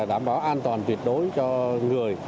đảm bảo an toàn tuyệt đối cho người